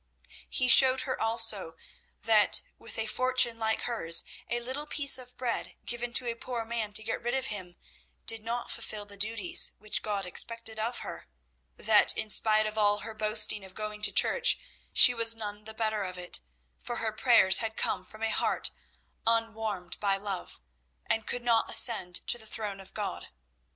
He showed her also that, with a fortune like hers, a little piece of bread given to a poor man to get rid of him did not fulfil the duties which God expected of her, that in spite of all her boasting of going to church she was none the better of it, for her prayers had come from a heart unwarmed by love, and could not ascend to the throne of God.